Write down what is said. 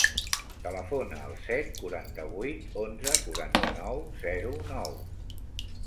Telefona al set, quaranta-vuit, onze, quaranta-nou, zero, nou.